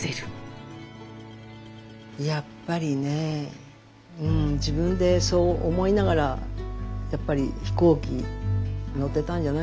やっぱりね自分でそう思いながらやっぱり飛行機に乗っていたんじゃないでしょうかね。